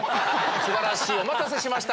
素晴らしい！お待たせしました。